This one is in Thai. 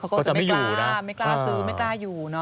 เขาก็จะไม่กล้าซื้อไม่กล้าอยู่นะ